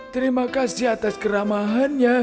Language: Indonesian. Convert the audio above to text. terima kasih atas keramahan